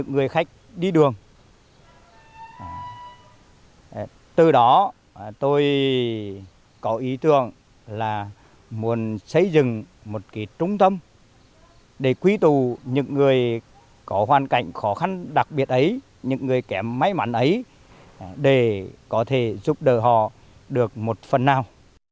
thì có ý tưởng là muốn xây dựng một cái trung tâm để quý tù những người có hoàn cảnh khó khăn đặc biệt ấy những người kẻ may mắn ấy để có thể giúp đỡ họ được một phần nào